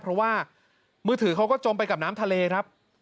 เพราะว่ามือถือเขาก็จมไปกับน้ำทะเลครับ